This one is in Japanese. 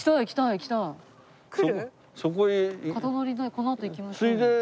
このあと行きましょうよ。